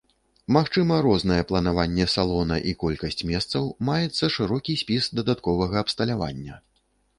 Магчыма рознае планаванне салона і колькасць месцаў, маецца шырокі спіс дадатковага абсталявання.